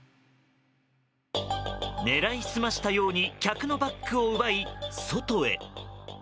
狙い澄ましたように客のバッグを奪い、外へ。